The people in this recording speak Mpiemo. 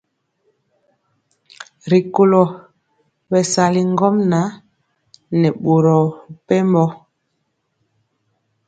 D@Rikolo bɛsali ŋgomnaŋ nɛ boro mepempɔ.